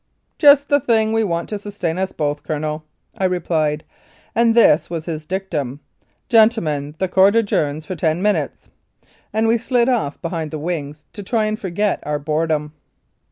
"Just the thing we want to sustain us both, Colonel," I replied, and this was his dictum : "Gentle men, the Court adjourns for ten minutes," and we slid off behind the wings to try and forget our boredom.